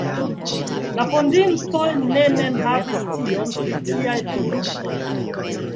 La fondintoj ne mem havis scion pri tiaj produktoj.